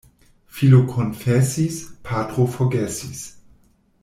Filo konfesis, patro forgesis.